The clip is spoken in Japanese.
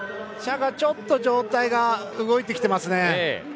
チャが、ちょっと上体が動いてきていますね。